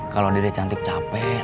kalau dede cantik capek